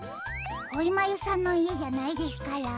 こいまゆさんのいえじゃないですから。